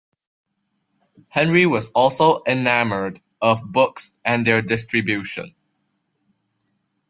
Henry was also enamoured of books and their distribution.